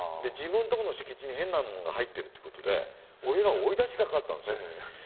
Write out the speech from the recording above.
自分のとこの敷地に変なもんが入ってるっていうことで俺らを追い出したかったんですよ。